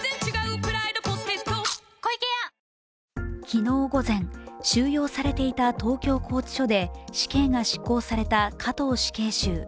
昨日午前、収容されていた東京拘置所で死刑が執行された加藤死刑囚。